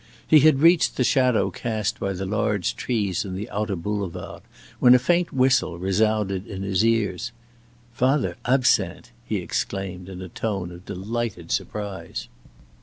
He had reached the shadow cast by the large trees in the outer boulevards when a faint whistle resounded in his ears. "Father Absinthe!" he exclaimed in a tone of delighted surprise.